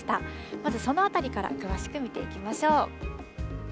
まずそのあたりから詳しく見ていきましょう。